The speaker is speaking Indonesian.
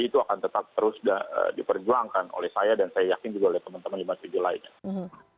itu akan tetap terus diperjuangkan oleh saya dan saya yakin juga oleh teman teman lima puluh tujuh lainnya